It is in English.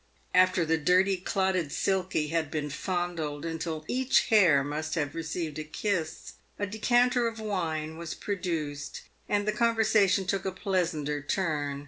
After the dirty, clotted Silky had been fondled until each hair must have received a kiss, a decanter of wine was produced, and the conversation took a pleasanter turn.